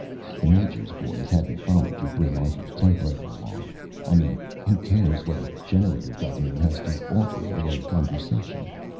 The Major's boys hadn't bothered to bring Arthur's typewriter along I mean who cares what a generator governor had to offer in the way of conversation?